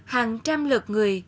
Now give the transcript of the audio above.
hàng trăm lượt người